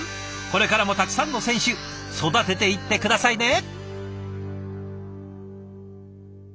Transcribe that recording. これからもたくさんの選手育てていって下さいね。